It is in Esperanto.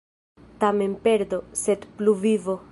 Tamen perdo, sed pluvivo.